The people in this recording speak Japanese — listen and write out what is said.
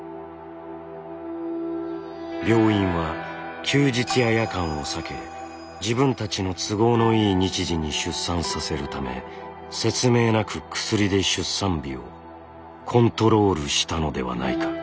病院は休日や夜間を避け自分たちの都合のいい日時に出産させるため説明なく薬で出産日をコントロールしたのではないか？